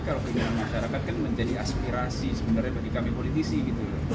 kalau kehilangan masyarakat kan menjadi aspirasi sebenarnya bagi kami politisi gitu ya